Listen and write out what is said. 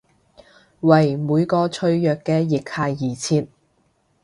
為每個脆弱嘅腋下而設！